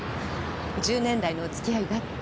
「１０年来のおつきあいだ」って。